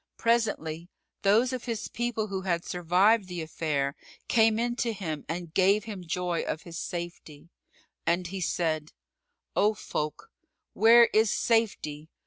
Presently, those of his people who had survived the affair came in to him and gave him joy of his safety; and he said, "O folk, where is safety?